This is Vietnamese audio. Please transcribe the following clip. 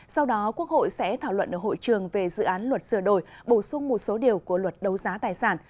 sau đó quốc hội sẽ thảo luận ở hội trường về dự án luật sửa đổi bổ sung một số điều của luật đấu giá tài sản